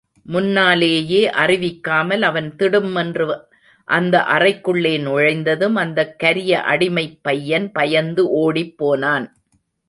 முன்னாலேயே அறிவிக்காமல், அவன் திடுமென்று அந்த அறைக்குள்ளே நுழைந்ததும் அந்தக் கரிய அடிமைப் பையன் பயந்து ஓடிப் போனான்.